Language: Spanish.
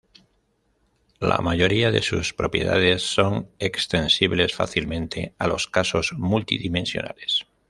La mayoría de sus propiedades son extensibles fácilmente a los casos multidimensionales.